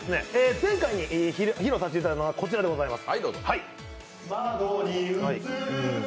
前回披露させていただいたのはこちらでございます。